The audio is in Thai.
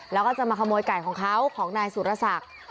แล้วก็จะมาขโมยไก่ของเขาของนายสุรศักดิ์